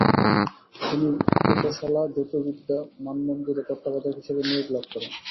তিনি উপসালা জ্যোতির্বিদ্যা মানমন্দির এ তত্ত্বাবধায়ক হিসেবে নিয়োগ লাভ করেন।